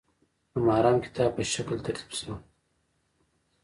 د محرم کتاب په شکل ترتیب شوی.